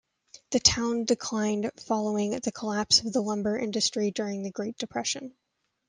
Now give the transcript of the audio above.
The town declined following the collapse of the lumber industry during the Great Depression.